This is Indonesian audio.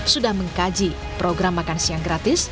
sudah mengkaji program makan siang gratis